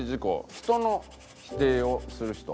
「人の否定をする人」。